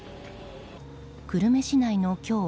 久留米市内の今日